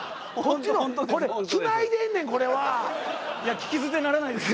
これつないでんねんこれは。いや聞き捨てならないです